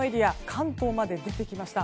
関東まで出てきました。